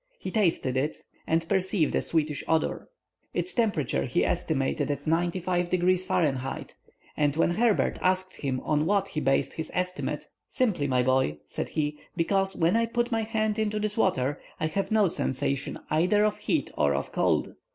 He tasted it, and perceived a sweetish savor. Its temperature he estimated at 95° Fahrenheit; and when Herbert asked him on what he based his estimate:— "Simply, my boy," said he, "because when I put my hand into this water, I have no sensation either of heat or of cold.